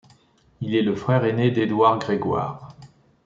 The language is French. Il est le frère aîné d'Édouard Gregoir.